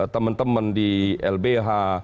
teman teman di lbh